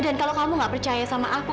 dan kalau kamu gak percaya sama aku